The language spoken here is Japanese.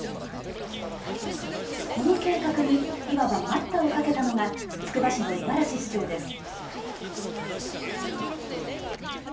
この計画にいわば待ったをかけたのがつくば市の五十嵐市長です。